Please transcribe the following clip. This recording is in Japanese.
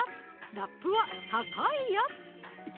「ラップは高いやつ」